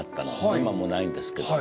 今もうないんですけど。